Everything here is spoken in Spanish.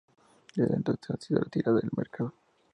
Desde entonces ha sido retirada del mercado.